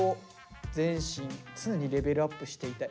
「前進・常にレベルアップしていたい」。